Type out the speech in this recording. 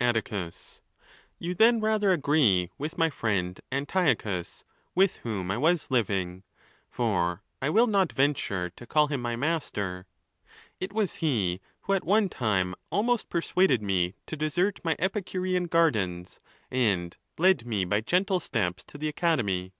Atticws:—You then rather agree with my friend Antiochus, with whom I was living, for I will not venture to call him my master. It was he who at one time almost 'persuaded me to desert my Epicurean gardens, and led me by gentle steps to the Academy.